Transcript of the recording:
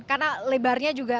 karena lebarnya juga